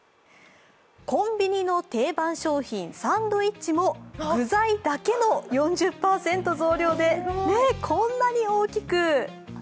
コンビニの定番商品サンドイッチも具材だけの４０％増量でこんなに大きく。